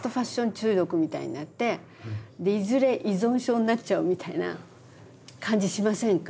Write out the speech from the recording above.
中毒みたいになっていずれ依存症になっちゃうみたいな感じしませんか？